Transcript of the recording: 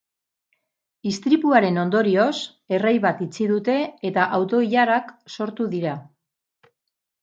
Istripuaren ondorioz, errei bat itxi dute eta auto-ilarak sortu dira.